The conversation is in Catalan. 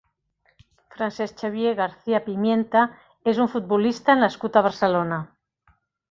Francesc Xavier Garcia Pimienta és un futbolista nascut a Barcelona.